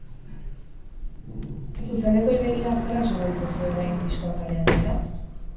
Zuzenekoei begira, zer asmo dituzue orain, diskoa kalean dela?